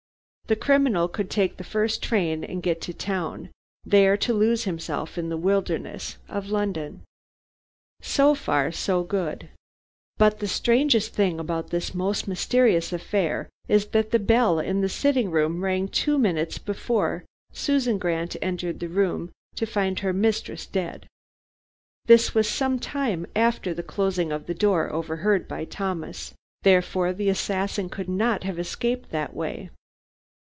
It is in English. The criminal could take the first train and get to town, there to lose himself in the wilderness of London. "So far so good. But the strangest thing about this most mysterious affair is that the bell in the sitting room rang two minutes before Susan Grant entered the room to find her mistress dead. This was some time after the closing of the door overheard by Thomas; therefore the assassin could not have escaped that way.